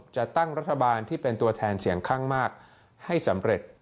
จะตั้งรัฐบาลที่เป็นตัวแทนเสียงข้างมากให้สำเร็จ